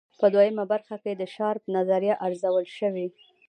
په دویمه برخه کې د شارپ نظریه ارزول شوې.